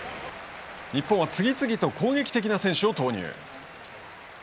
日本は次々と攻撃的な選手を投入。